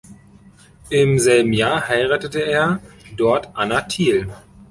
Im selben Jahr heiratete er dort Anna Thiel.